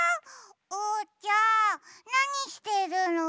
おうちゃんなにしてるの？